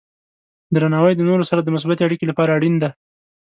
درناوی د نورو سره د مثبتې اړیکې لپاره اړین دی.